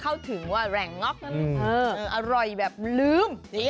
ก็ถึงว่าแหล่งง็อกอร่อยแบบลื้ม